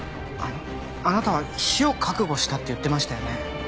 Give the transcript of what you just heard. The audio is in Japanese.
あなたは死を覚悟したって言ってましたよね？